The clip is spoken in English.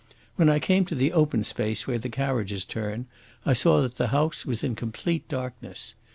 When I came to the open space where the carriages turn, I saw that the house was in complete darkness.